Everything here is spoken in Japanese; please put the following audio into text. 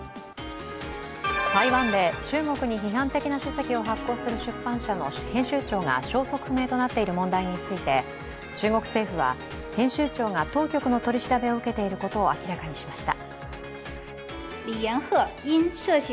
台湾で中国に批判的な書籍を発行する出版社の編集長が消息不明となっている問題について、中国政府は編集長が当局の取り調べを受けていることを明らかにしました。